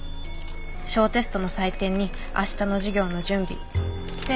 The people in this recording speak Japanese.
小テストの採点に明日の授業の準備成績の処理